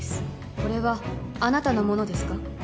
これはあなたのものですか？